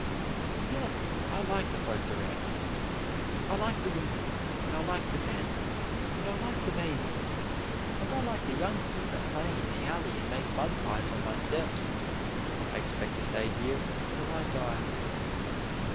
"Yes, I like the folks around here; I like the women, and I like the men, and I like the babies, and I like the youngsters that play in the alley and make mud pies on my steps. I expect to stay here until I die."